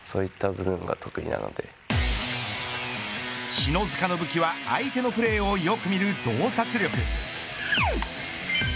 篠塚の武器は相手のプレーをよく見る洞察力。